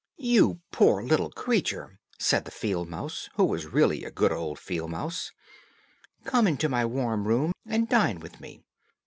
"You poor little creature," said the field mouse, who was really a good old field mouse, "come into my warm room and dine with me."